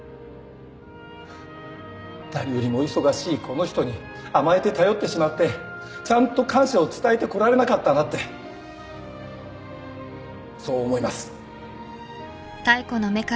誰よりも忙しいこの人に甘えて頼ってしまってちゃんと感謝を伝えてこられなかったなってそう思います。